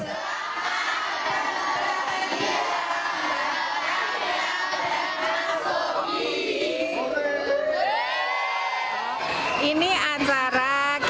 selamat berkah selamat berkah selamat berkah selamat berkah selamat berkah selamat berkah selamat berkah